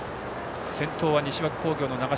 先頭は西脇工業の長嶋。